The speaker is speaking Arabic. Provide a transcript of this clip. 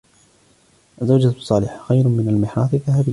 الزوجة الصالحة خير من المِحراث الذهبي.